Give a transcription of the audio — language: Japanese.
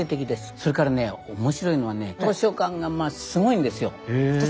それからね面白いのはね図書館がまあすごいんですよ。